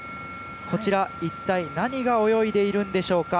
こちら一体、何が泳いでいるんでしょうか。